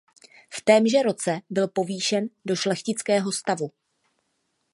V témže roce byl povýšen do šlechtického stavu.